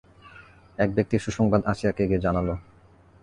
এক ব্যক্তি এ সুসংবাদ আসিয়াকে গিয়ে জানাল।